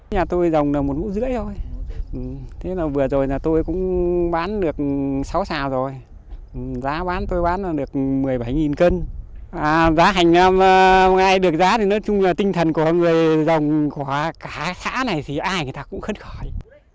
nhà tôi dòng là một mũ rưỡi thôi vừa rồi tôi cũng bán được sáu xào rồi giá bán tôi bán được một mươi bảy cân giá hành được giá thì tinh thần của người dòng của cả xã này thì ai người ta cũng khất khỏi